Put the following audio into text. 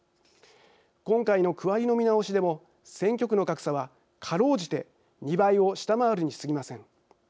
今回の区割りの見直しでも選挙区の格差はかろうじて２倍を下回るにすぎません。